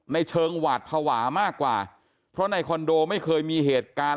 ในเชิงหวาดภาวะมากกว่าเพราะในคอนโดไม่เคยมีเหตุการณ์